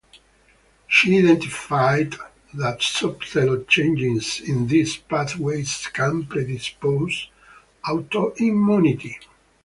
She identified that subtle changes in these pathways can predispose autoimmunity.